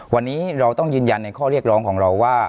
วันนี้เราต้องยืนยันในข้อเรียกร้องของเราว่า